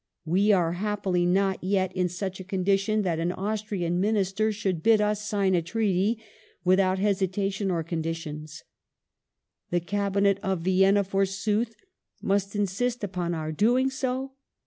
We are happily not yet in such a condition that a,n 1857] THE PEACE OF PARIS 249 Austrian Minister should bid us sign a Treaty without hesitation or conditions. The Cabinet of Vienna, forsooth, must insist upon our doing so!